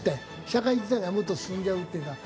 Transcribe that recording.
社会自体がもっと進んじゃうっていうような。